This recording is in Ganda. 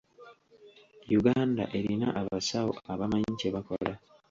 Uganda erina abasawo abamanyi kye bakola.